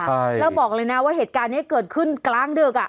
ใช่แล้วบอกเลยนะว่าเหตุการณ์นี้เกิดขึ้นกลางดึก